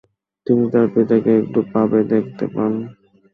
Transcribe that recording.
তিনি তার পিতাকে একটি পাবে দেখতে পান।